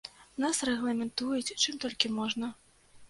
Нас рэгламентуюць чым толькі можна.